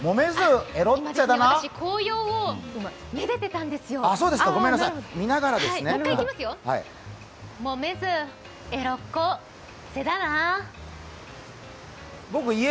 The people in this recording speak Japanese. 私、紅葉を愛でてたんですよ。もみずえ